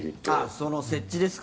その設置ですか？